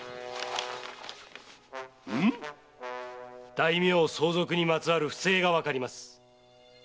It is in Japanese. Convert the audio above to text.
んっ⁉大名相続にまつわる不正がわかります。